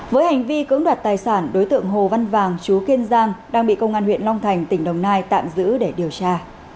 với hành vi cưỡng đoạt tài sản đối tượng hồ văn vàng chú kiên giang đang bị công an huyện long thành tỉnh đồng nai tạm giữ để điều tra